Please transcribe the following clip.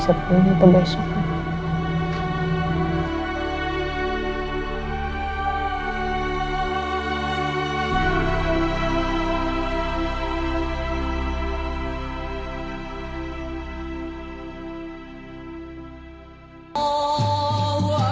semua ini bisa disalahkan